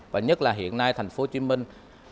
và nhất là hiện nay thành phố hồ chí minh